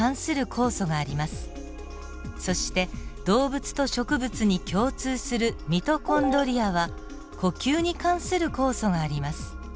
そして動物と植物に共通するミトコンドリアは呼吸に関する酵素があります。